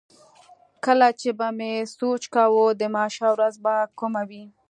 کله چې به مې سوچ کاوه د محشر ورځ به کومه وي.